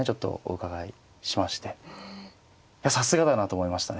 いやさすがだなと思いましたね。